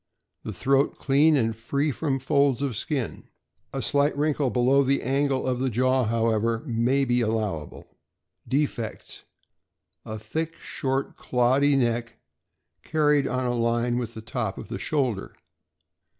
The throat clean and free from folds of skin; a slight wrinkle below the angle of the jaw, however, may be allowable. Defects: A thick, short, cloddy neck, carried on a line with the top of the shoulder.